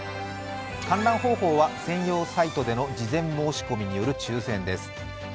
観覧方法は専用サイトでの事前申し込みによる抽選です。